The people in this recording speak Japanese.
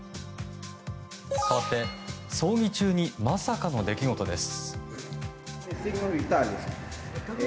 かわって、葬儀中にまさかの出来事です。